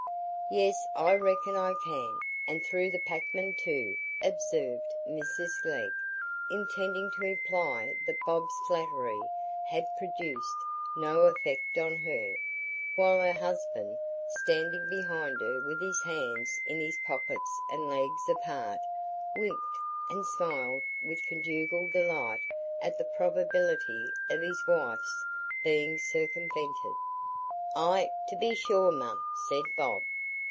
"Yes, I reckon I can, and through the packmen too," observed Mrs Glegg, intending to imply that Bob's flattery had produced no effect on her; while her husband, standing behind her with his hands in his pockets and legs apart, winked and smiled with conjugal delight at the probability of his wife's being circumvented. "Ay, to be sure, mum," said Bob.